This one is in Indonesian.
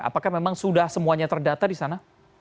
apakah memang sudah semuanya terdata di sana